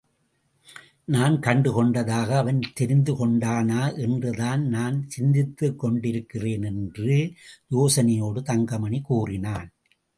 நாம் கண்டுகொண்டதாக அவன் தெரிந்துகொண்டானா என்று தான் நான் சிந்தித்துக்கொண்டிருக்கிறேன் என்று யோசனையோடு தங்கமணி கூறினான்.